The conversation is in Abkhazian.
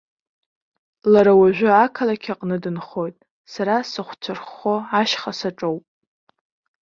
Лара уажәы ақалақь аҟны дынхоит, сара сыхәцәырххо ашьха саҿоуп.